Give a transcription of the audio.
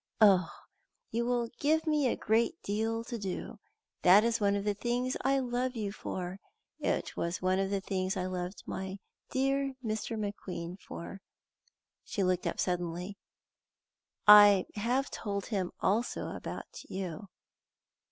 Oh, you will give me a great deal to do! That is one of the things I love you for. It was one of the things I loved my dear Dr. McQueen for." She looked up suddenly. "I have told him also about you."